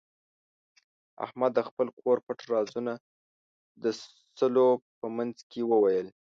احمد د خپل کور پټ رازونه د سلو په منځ کې وویل.